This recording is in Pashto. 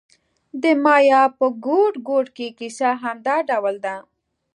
د مایا په ګوټ ګوټ کې کیسه همدا ډول ده